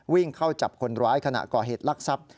วิ่งเข้าจับคนร้ายขณะก่อเหตุลักษัพ